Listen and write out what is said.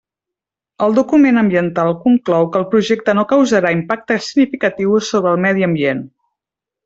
El document ambiental conclou que el projecte no causarà impactes significatius sobre el medi ambient.